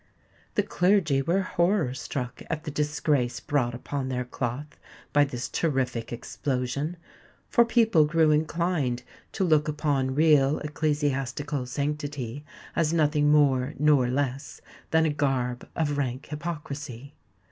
The clergy were horror struck at the disgrace brought upon their cloth by this terrific explosion; for people grew inclined to look upon real ecclesiastical sanctity as nothing more nor less than a garb of rank hypocrisy.